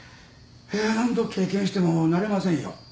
いや何度経験しても慣れませんよ。